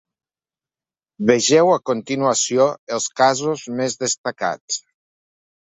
Vegeu a continuació els casos més destacats.